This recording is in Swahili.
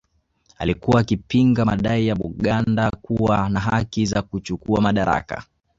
Alikuwa akipinga madai ya Baganda kuwa na haki za kuchukuwa madaraka